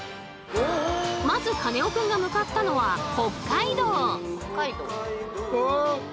まずカネオくんが向かったのは北海道。